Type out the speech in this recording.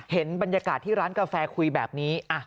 เห็นบรรยากาศที่ร้านกาแฟคุยแบบนี้